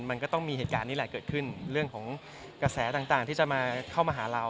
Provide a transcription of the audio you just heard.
มันก็ต้องมีเหตุการณ์นี้แหละเกิดขึ้นเรื่องของกระแสต่างที่จะมาเข้ามาหาเรา